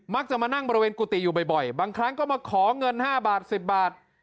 จะมานั่งบริเวณกุฏิอยู่บ่อยบางครั้งก็มาขอเงิน๕บาท๑๐บาท